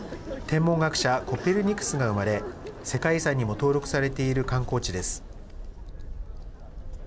天文学者コペルニクスが生まれ世界遺産にも登録されている観光地です。